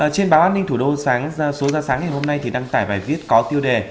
trên báo an ninh thủ đô số ra sáng ngày hôm nay thì đăng tải bài viết có tiêu đề